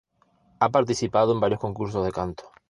Ha participado en varios concursos de canto.